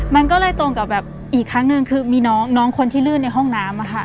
มันก็เลยตรงกับแบบอีกครั้งหนึ่งคือมีน้องคนที่ลื่นในห้องน้ำ